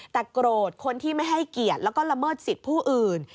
แต่โกรธคนที่ไม่ให้เกียรติแล้วก็ละเมิดสิทธิ์ผู้อื่น